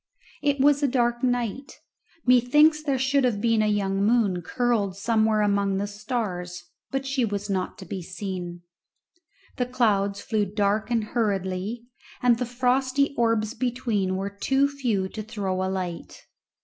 It was a dark night; methinks there should have been a young moon curled somewhere among the stars, but she was not to be seen. The clouds flew dark and hurriedly, and the frosty orbs between were too few to throw a light.